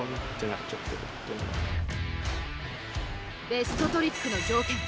ベストトリックの条件